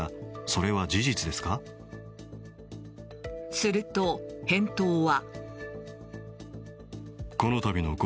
すると、返答は。